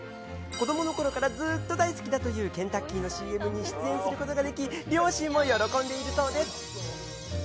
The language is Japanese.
子どものころからずっと大好きだというケンタッキーのＣＭに出演することができ、両親も喜んでいるそうです。